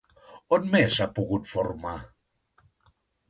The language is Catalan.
On més s'ha pogut formar?